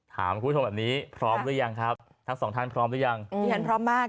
ถามคุณผู้ชมแบบนี้พร้อมหรือยังครับทั้งสองท่านพร้อมหรือยังที่ฉันพร้อมมาก